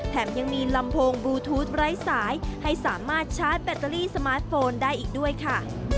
แถมยังมีลำโพงบลูทูธไร้สายให้สามารถชาร์จแบตเตอรี่สมาร์ทโฟนได้อีกด้วยค่ะ